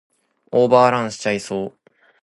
オーバーランしちゃいそう